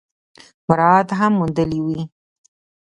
مراعات هم موندلي وي ۔